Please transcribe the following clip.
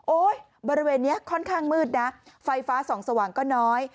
บริเวณนี้ค่อนข้างมืดนะไฟฟ้าส่องสว่างก็น้อย